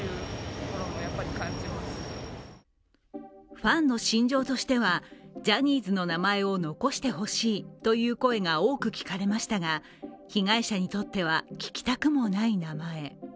ファンの心情としては、ジャニーズの名前を残してほしいという声が大きく聞かれましたが被害者にとっては聞きたくもない名前。